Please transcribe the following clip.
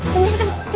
kita buang aja